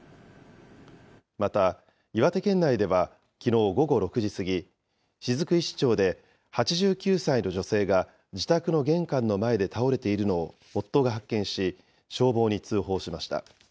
また、岩手県内ではきのう午後６時過ぎ、雫石町で８９歳の女性が自宅の玄関の前で倒れているのを夫が発見し、消防に通報しました。